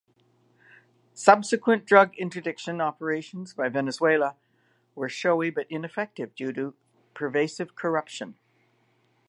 Subsequent drug interdiction operations by Venezuela were showy but ineffective due to pervasive corruption.